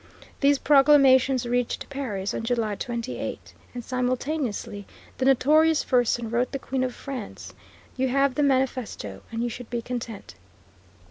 These proclamations reached Paris on July 28, and simultaneously the notorious Fersen wrote the Queen of France, "You have the manifesto, and you should be content."